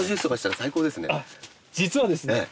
あっ実はですね